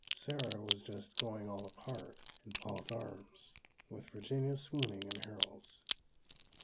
Sarah was just "going all apart" in Paul's arms, with Virginia swooning in Harold's.